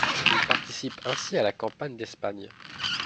Il participe ainsi à la campagne d'Espagne.